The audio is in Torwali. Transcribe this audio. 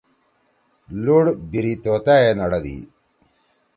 لُوڑ بیِری توتأ ئے نڑَدی۔